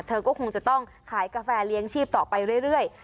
เธอก็คงจะต้องขายกาแฟเลี้ยงชีพต่อไปเรื่อย